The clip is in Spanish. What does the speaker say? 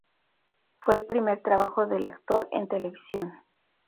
Fue el primer trabajo del actor en televisión.